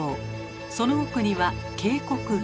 その奥には渓谷美。